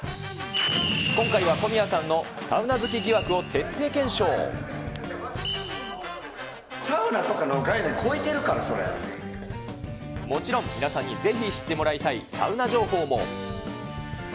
今回は小宮さんのサウナ好きサウナとかの概念超えてるかもちろん、皆さんにぜひ知ってもらいたいサウナ情報も。